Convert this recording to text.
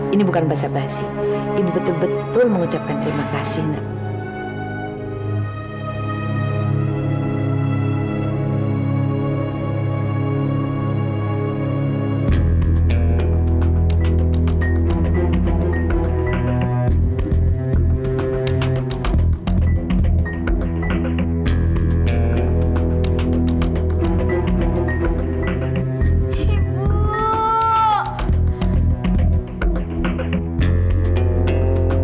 ini bukan basa basi ibu betul betul mengucapkan terima kasih nanda